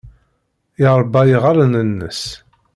Yerba iɣallen-nnes.